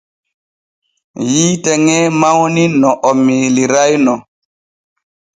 Yiite ŋe mawni no o miiliray no.